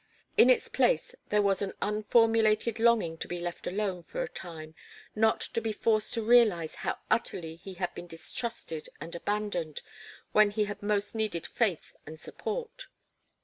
In its place there was an unformulated longing to be left alone for a time, not to be forced to realize how utterly he had been distrusted and abandoned when he had most needed faith and support.